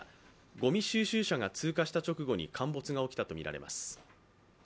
ごみ収集車が通過した直後に陥没が起きたとみられます。